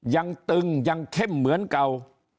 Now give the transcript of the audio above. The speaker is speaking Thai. ยังตึงยังเข้มเหมือนเก่า